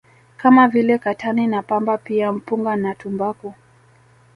kama vile Katani na Pamba pia Mpunga na tumbaku